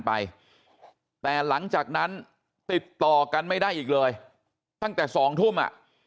ไปแต่หลังจากนั้นติดต่อกันไม่ได้อีกเลยตั้งแต่สองทุ่มอ่ะ